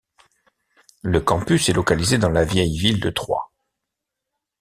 Le Campus est localisé dans la vieille ville de Troyes.